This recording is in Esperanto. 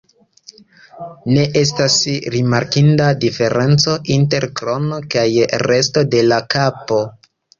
Ne estas rimarkinda diferenco inter krono kaj resto de la kapo.